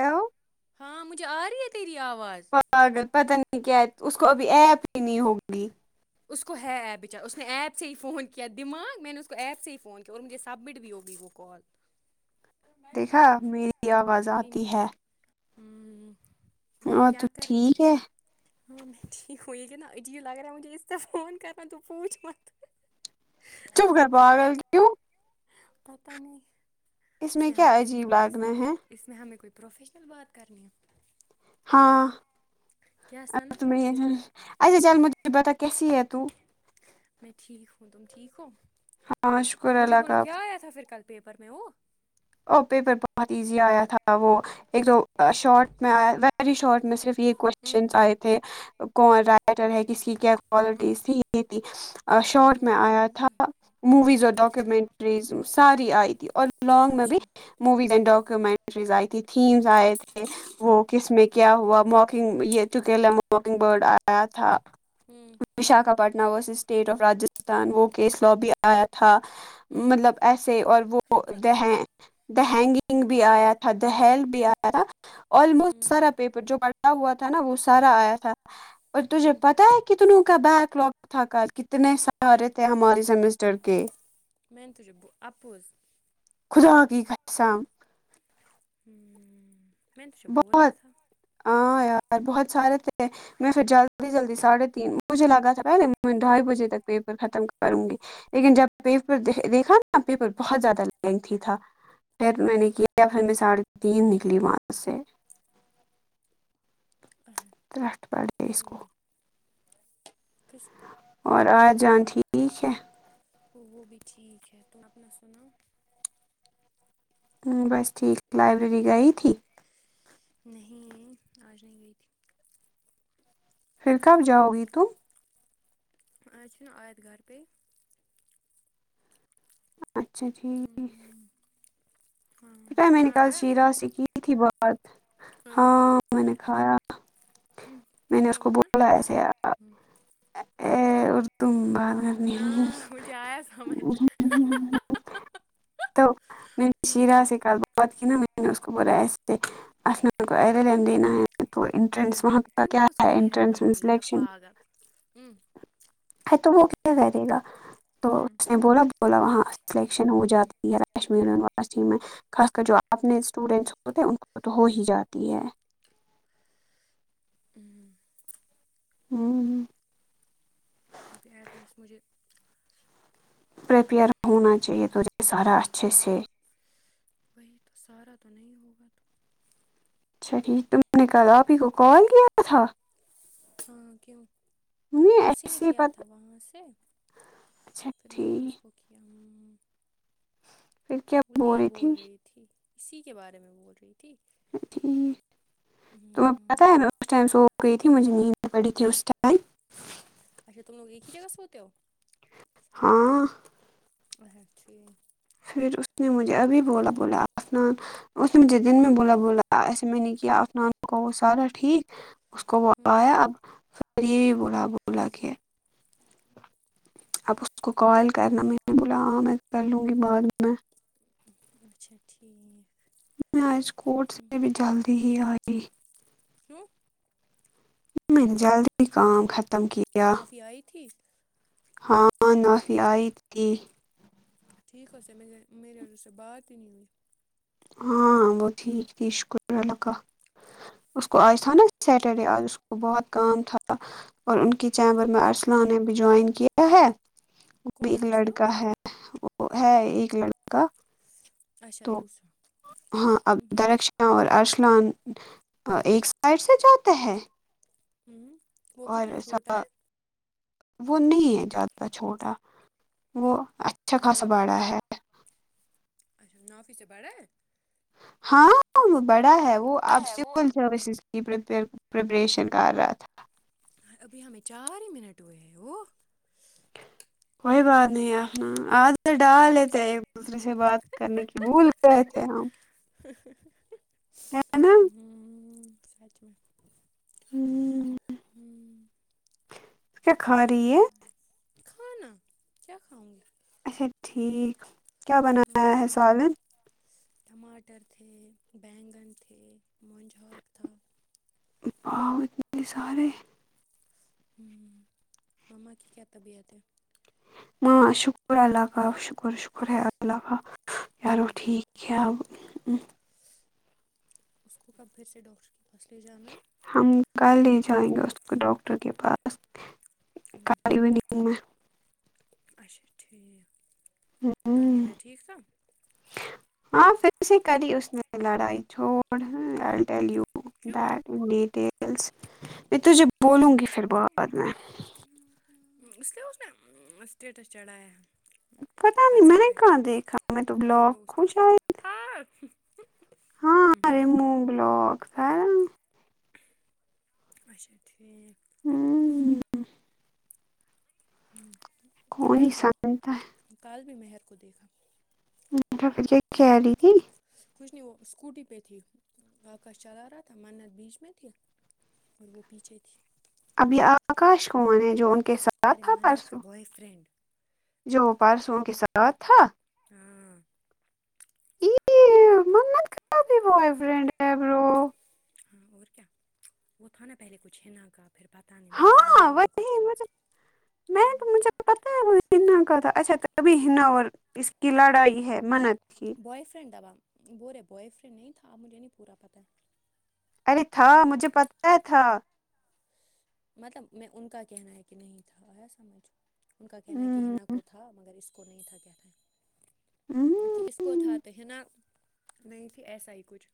have [unintelligible] ہاں مجھے آ رہی ہے تیری آواز پاگل پتہ نہیں کیا ہے اس کو ابھی ایپ ہی نہیں ہوگی اس کو ہے ایپ بچارا اس نے ایپ سے ہی فون کیا دماغ میں نے اس کو ایپ سے ہی فون کیا اور مجھے سبمٹ بھی ہوگی وہ کون دیکھا میری آواز آتی ہے ہمم بول اور کیا تو کر رہی ہے ٹھیک ہاں [unintelligible] م میں ٹھیک ہو یہ لیک نا عیب ل [unintelligible] رہا مجے اتہ ف [unintelligible] کر ن تو پوچ مت چپ کر پاگل کیوں پتا نہیں اس میں ہمیں کیا کوئی عجیب اس لگنا ہے اس میں ہمیں کوئی پروفیشنل بات کرنی ہے ہاں کیا ثنا اب تو میں بولو یہی اچھا چل مجھے بتا کیسی ہے تو میں ٹھیک ہوں تم ٹھیک ہو ہاں شکر مجھے اللہ بولو کا کیا آیا تھا فر کل پیپر میں او او پیپر بہت ایزی آیا تھا وہ ایک تو شارٹ میں آیا ویری شارٹ میں صرف یہ ہوں کوشچنس آئے تھے ہوں کون رائٹر ہے کس کی کیا کوالٹیز تھی یہ تھی شارٹ میں آیا تھا موویز ہوں اور ڈاکومینٹریز ساری آئی تھی اور لانگ میں بھی اچھا موویز اینڈ ڈاکومینٹریز آئی تھی تھیمز آئے تھے وہ کس میں کیا ہوا ماکنگ یہ چکیلا ماکنگ برڈ آیا تھا ہمم Visakhapatnam versus state of Rajasthan وہ کیس لاء بھی آیا تھا مطلب ایسے اور وہ دہیں ہوں د ہینگگ بھی آیا تھا دہل بھی آیا آلموسٹ ہوں سارا پیپر جو بڑھا ہوا تھا نا وہ سارا آیا تھا اور تجھے ہوں پتا ہے کتنوں کا بیک لاک تھا کل کتنے سارے تھے ہمارے سیمسٹر کے [unintelligible] مین تج اپپوز [unintelligible] خدا کی قسم ہممم میں نے توجھے بولا بہت تھا ہاں یار بہت سارے تھے میں پھر جلدی جلدی ساڑھے تین مجھے لگا تھا پہلے میں ڈھائی بجے تک پیپر ختم کروں گی لیکن جب پیپر دیکھا نا پیپر بہت زیادہ لینتھی تھا پھر میں نے کیا پھر میں ساڑھے تین نکلی وہاں سے تٹٹ پڑ گ [unintelligible] اس کو خس اور آ جان ٹھیک ہے وہ بھی ٹھیک ہے تم اپنا سنا ہمم بس ٹھیک لائبریری گئی تھی نہیں آج نہیں گئی تھی پھر کب جاؤ گی تم آ اچھا اج گھر پہ اچھا ٹھیک ہاں بیٹا میں نے کھانا کل کھایا شیرا سے کی تھی بات تم ہاں میں نے کھایا میں نے اس کیا کو بولنا بولا ایسے [unintelligible] ا اردو ب ہاں مجھے ایا سمجھ تو میں شیرا سے کب بات کی نہ میں نے اس کو بولا ایسے دینا ہے تو انٹنس تو نے کیو اس کو میرا نام لیا پاگل ہ ہاں تو وہ کیا کرے گا تو میں بولا بولا وہاں سلیکشن ہو جاتی ہے کشمیر یونیورسٹی میں خاص کر جو اپنے اسٹوڈینٹس ہوتے ان کو تو ہو ہی جاتی ہے ہمم پھر بھی ایٹ لیسٹ مجھے پریپیئر ہونا چاہیے تو یہ سارا اچھے سے وہی تو سارا تو نہیں ہوگا تو اچھا مگر ٹھیک تم نے کل آپپی کو کال کیا تھا ہاں کیوں نہیں اسی نے ایسے ہی کیا پت تھا وہاں سے اچھا پھر میں نے اس ٹھیک کو کیا ہوں وہ یہی بول رہی تھی اسی کے بارے میں بول رہی تھی ٹھیک اپ کو پتا ہے نہ اس ٹائم سو گئی تھی مجھے نیند پڑی تھی اس ٹائم اچھا تم لوگ ایک ہی جگہ سوتے ہو ہاں اچھے ہے پھر اس نے مجھے ابھی بولا بولا عفنان اس نے مجھے دن میں بولا بولا ایسے میں نے کیا اپنا عفنان کو سارا ٹھیک اس کو بولا اب پھر یہ بھی بولا بولا کے اب اس کو کال کرنا میں نے بولا ہاں میں کر لوں گی بعد میں اچھا ٹھیک میں آج کوٹ سے بھی جلدی ہی آئی کیوں جلدی کام خت نعافی آئی تھی ہاں نعافی آئی تھی ٹھیک ہےاس نے میرے میرے اسے بات ہی نہیں ہوئی ہاں وہ ٹھیک تھی شکر اللہ کا اس کو آج تھا نا سیٹرڈے آج اس کو بہت کام تھا اور ان کی چیمبر میں ارصلان نے بھی جوائن کیا ہے وہ بھی کون ایک ہے اسلم لڑکا ہے وہ ہے ایک لڑکا اچھا تو دوسرا ہاں اب درخشاں اور ارصلان ایک سائڈ سے جاتا ہے ہوں وہ کتنا چھوٹا سا ہے وہ نہیں ہے زیادہ چھوٹا وہ اچھا خاصہ مطلب بڑا ہے اچھا نعافی سے بڑا ہے ہاں وہ بڑا ہے وہ اب سول سروسز کی پرپپ پریپریشن کر رہا تھا ابھی ہمیں چار ہی منٹ ہوئے ہیں وہ کوئی بات نہیں عادت ڈال لیتے ہیں دوسرے سے بات کرنے کی بھول گئے تھے ہم ہے نا ہمم سچ میں ہمم ہوں کیا کھا رہی ہے کھانا کیا کھاؤں گی اچھا ٹھیک کیا ہوں بنایا ہے ہوں سالن ٹماٹر تھے بیگن تھے مونج ہااک تھا اپااتنے سارے ہ مما کی کیا طبیعت ہے ہاں شکر اللہ کا شکر شکر اللہ کایار وہ ٹھیک کیا اس کو کب پھر سے ڈاکٹر کے پاس لے جانا ہے ہم کل لے جائیں گے اس کو ڈاکٹر کے پاس کل ایوننگ میں اچھا ٹھیک [unintelligible] چانج ہوں بید ٹھیک سا ہاں پھر سے کری اس نے لڑائی چھوڑ [unintelligible] ٹی یو کیوں ڈائٹنگ ڈیٹیلس میں تجھے بولوں گی پھر بعد میں اس لی اس نےمم اسٹیٹس چڑایا پتا نہیں میں نے کہاں دیکھا میں تو بلاگ خشایا ہاتھ ہاں ارے مونگ [unintelligible] اچھا ٹھیک ہوں ہ کون میں ہی نے سر سنتا ہے کل بھی مہر کو دیکھا [unintelligible] م خلی تھی کچھ نہیں وہ اسکوٹی پہ تھی آکاش چلا رہا تھا منت بیچ میں تھی اور وہ پیچھے تھی اب یہ آکاش کون ہے جو ان کے ساتھ ارے تھا منت کا پرسوں بؤے فرینڈ جو پرسوں ان کے ساتھ تھا ہاں یہ منت کا بھی بوائے فرینڈ برو ہاں اور کیا وہ تھا نا پہلے کچھ ہینا کا پھر پتا نہیں مجھے ہاں سمجھ ہی نہیں وہی کچھ آیا مجھے ہینا کا تھا اچھا تبھی ہینا اور اس کی لڑائی ہے ہ منت کی بوئے فرینڈ دبا ب رہے بوائے فرینڈ نہیں تھا مجھے نہیں پورا پتا ہے ارے تھا انہوں مجھے نے پتا ہے تھا مطلب میں ان کا کہنا ہے کہ نہیں تھا آیی سمجھ ان کا کہنا ہے کہ ہینا کو تھا مگر اس کو نہیں تھا کیا تھا ہاں کہ اس کو کو تھا تو ہینا نہیں تھی ایسا ہی کچھ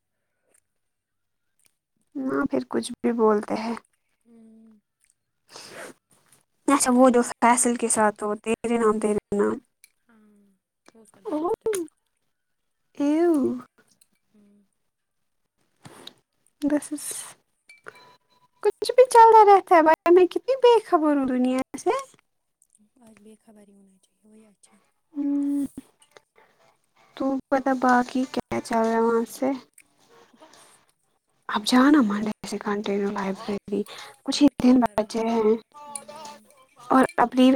نہ پھر کچھ بھی بولتے ہیں ہوں اچھا وہ جو فیصل کے ساتھ تو تیرے نام تیرے نام ہاں وہ اس کا دوست ہے ایو ہوں بسس کچھ بھی چلتا رہتا ہے باہر میں کتنی بے خبر ہوں دنیا سے آج بےخبر ہی ہونا چاہیے وہی اچھا ہمم تو پتا باقی کیا چل رہا ہے وہاں سے بس اب جانا منڈے سے کنٹینو لائبریری کچھ ہی اور کیا دن کروں بچے ہیں گی اور اپ پی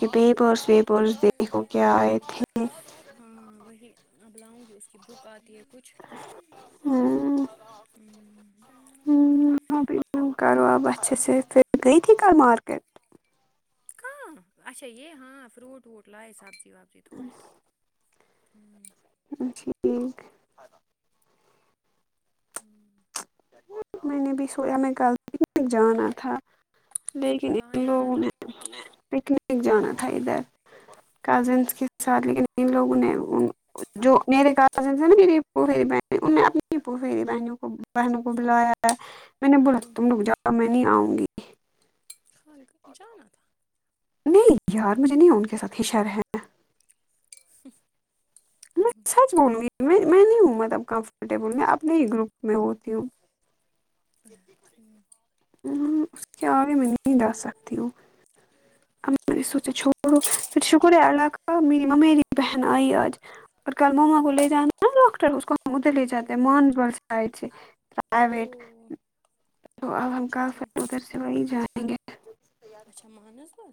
کی ویپرس ویپرس وہ کیا آئے تھے ہمم وہی اب لاؤں گی اس کی بک آتی ہے کچھ ہمم ہمم کرو آب اچھےسے فیر گئی کل مارکیٹ کہا اچھا یے ہاں فروٹ ووٹ لاائے سبزی وبزی تھوڑی تھوڑی ہمم اچھا ایک ہمم میں نے بھی سوچا میں کل پکنک جانا تھا لیکن کہاں ان جانا لوگوں تھا نے پکنک جانا تھا ادھر کزنس کے ساتھ لیکن ان لوگوں نے جو میرے کازنس ہیں نا میری پورے بہن ان نے اپنی بہنوں کو بہنوں کو بلایا ہے میں نے بولا تم لوگ جاؤ میں نہیں آؤں گی جانا تھا نہیں یار مجھے نہیں ان کے ساتھ ہیشہ رہے [unintelligible] میں سچ بولوں گی میں میں نہیں ہوں مطلب کمفرٹیبل میں اپنے ہی گروپ میں ہوتی ہوں اچھا اس کے آگے میں نہیں جا سکتی ہوں اب میں نے سوچا چھوڑو پر شکر ہے اللہ کا ممیری بہن آئی آج اور کل موما کو لے جانا نا ڈاکٹر اس کو ادھر لے جاتے ہوں ہے [unintelligible] او پرائویٹ تو اب ہم اچھا کل پھر ٹھیک ادھر سے وہیں جائیں گے اچھا مانس بول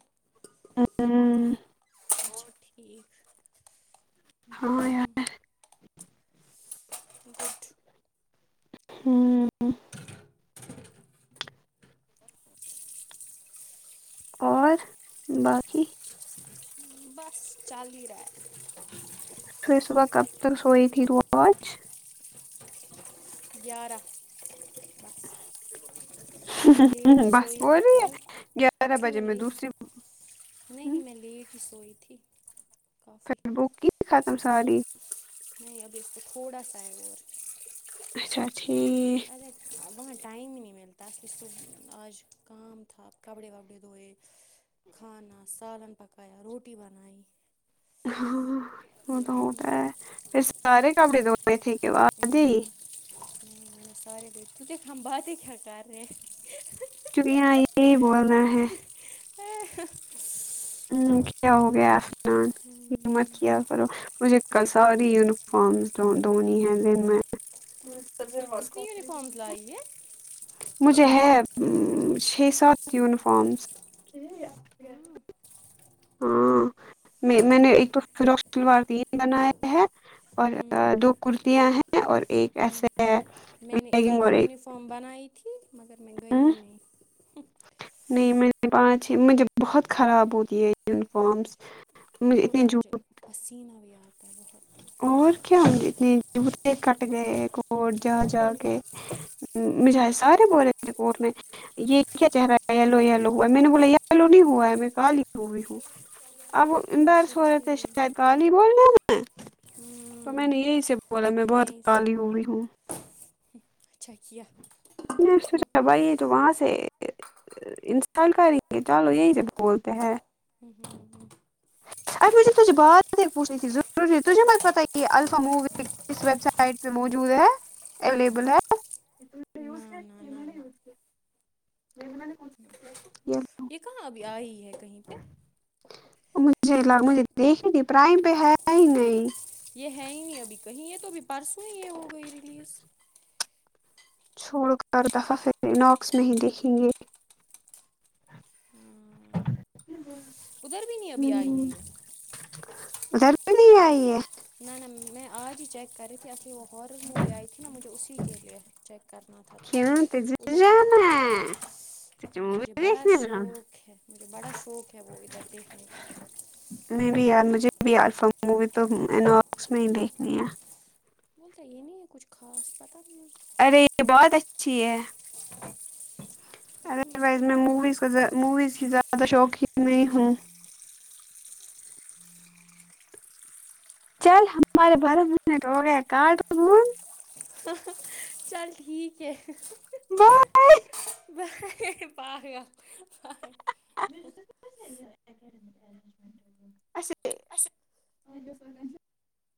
ہمم ہمم یار گوڈ ہمم اور باقی [inaudible] بس چل ہی رہا پھر صبح کب تک سوئی تھی تو اج گیارہ دس بس بول رہی گیارہ [unintelligible] بجے میں دوسری نہیں نہیں میں لیٹ ہی سوئی تھی کافی فیر بک کی ختم ساری نہیں ابھی سے تھوڑا سا ہے اور اچھا ٹھیک ارے وہاں ٹائم ہی نہیں ملتا کی صح آج کام تھا کپڑے وپڑے دھوئے کھانا سالن پکایا روٹی بنائ ہاں وہ تو ہوتا ہے پھر سارے کپڑے دھونے تھے کہ آدھے ہی ہمم سارے دیکھ ہم بات ہی کیا کر رہے کیونکہ یہاں یہی بول نا ہے [unintelligible] ہوں کیا ہو گیا ہے افنان ہمت کیا وہ مجھے ساری یونیفارم دھونی ہیں دن میں کتنی یونیفارمس لائی ہے مجھے ہے چھ سات یونیفارمس ہاں ہاں میں میں نے ایک تو فراک شلوار تین بنایا ہے اور ہوں دو کرتیاں ہیں اور ایک ہوں ایسے میں نے پیکنگ ایک اور ہی یونیفام بنائی تھی مگر میں گئی نہیں نہیں میں پانچ ہی مجھے بہت خراب ہوتی ہے یونیفارمس مجھے اور اتنے جو آج پسینہ بھی آتا ہے بہت تو اور کیا ہونگے جو تھے کٹ گئے کوٹ جا جا کے مجھے سارے بولے کوٹ میں یہ کیا چہرا ہے یلو یلو ہوا ہے میں نے بولا یلو نہیں ہوا ہے میں کالی ہوگیی ہوں اب وہ اچھا امبارس ہو رہے تھے شاید ٹھیک کالی بول نے میں تو میں ہوں نے یہی سے بولا میں بہت یہیں سے کالی بولا ہوئی ہوں اچھا کیا میں سوچا بھائی یہ تو وہاں سے انسٹال کریں گے چلو یہی جب بولتے ہیں ہمم اب مجھے کچھ بات پوچھنی تھی ضروری تجھے پتہ ہے کہ یہ الفا مووی کس ویب سائٹ پہ موجود ہے اویلیبل ہے نہ نہ نہ نہ [unintelligible] یہ کہاں ابھی آئی ہے کہیں پہ مجھے لگا مجھے دیکھنی تھی پرائم پہ ہے ہی نہیں یہ ہے ہی نہیں ابھی کہیں یہ تو ابھی پرسوں میں یہ ہو گئی ریلیز چھوڑ ہر دفعہ پھر اناکس میں ہی دیکھیں گے ہاں [unintelligible] ادھر بھی نہیں ابھی آئی ہے یہ ادھر بھی نہیں آئی ہے نہ نہ م میں آج ہی چیک کر رہی تھی آیا وہ ہارر مووی آئی تھی نا مجھے اسی کے لیے چیک کرنا تھا تو کیوں تجھے ادھر جانا نہیں ہے تجھے ہاں مووی مجھے بڑا دیکھنے جانا شوق ہے مجھے بڑا شوق ہے وہ ادھر دیکھنے کا میں بھی یار مجھے بھی الفا مووی تو اناکس میں ہی دیکھنی ہے بولتا یہ نہیں ہے کچھ خاص پتہ بھی نہیں ارے بہت اچھی ہے پتہ نہیں اس کو ادروائز ان میں کو موویز موویز کی زیادہ شوقین نہیں ہوں چل ہمارے بارہ منٹ ہو گیا کاٹ فون چل ٹھیک ہے بائے بائے باۓ بائے [unintelligible] اچھا اچھا